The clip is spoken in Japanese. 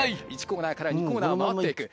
１コーナーから２コーナー回って行く。